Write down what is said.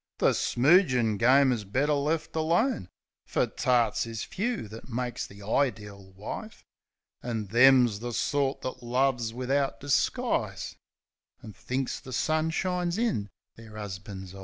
The smoogin' game is better left alone, Fer tarts is few that makes ihe ideel wife. An' them's the sort that loves wivout disguise, An' thinks the sun shines in their 'usbans' eyes.